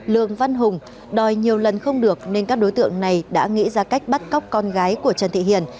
lương văn hùng đòi nhiều lần không được nên các đối tượng này đã nghĩ ra cách bắt cóc con gái của trần thị hiền